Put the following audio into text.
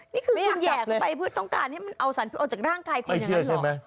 นี่คือคำแห่เข้าไปเพื่อต้องการให้มันเอาสารพิษออกจากร่างกายคนอย่างนั้นเหรอ